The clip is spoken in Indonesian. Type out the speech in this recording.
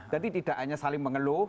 jadi tidak hanya saling mengeluh